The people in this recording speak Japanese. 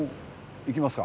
いきますか？